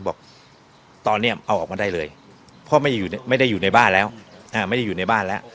บอกตอนนี้เอาออกมาได้เลยเพราะไม่ได้อยู่ในบ้านแล้ว